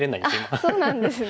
あっそうなんですね。